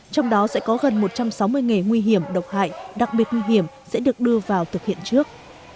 trong đó sẽ có gần một trăm sáu mươi nghề nguy hiểm độc hại đặc biệt nguy hiểm sẽ được đưa vào thực hiện trước